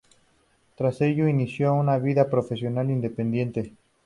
Tras ello inició una vida profesional independiente.